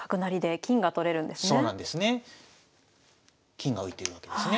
金が浮いてるわけですね。